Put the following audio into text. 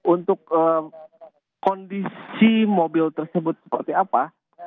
untuk kondisi mobil tersebut seperti apa